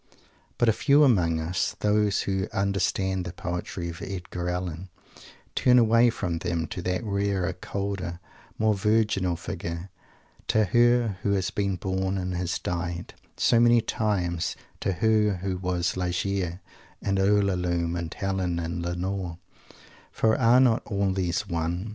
But a few among us those who understand the poetry of Edgar Allen turn away from them, to that rarer, colder, more virginal Figure; to Her who has been born and has died, so many times; to Her who was Ligeia and Ulalume and Helen and Lenore for are not all these One?